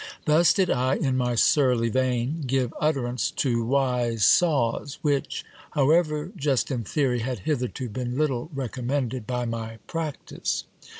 Thus did I, in my surly vein, give utterance to wise saws ; which, however just in theory, had hitherto been little recommended by my practice.